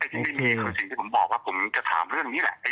สิ่งที่ผมบอกว่าผมจะถามเรื่องนี้แหละ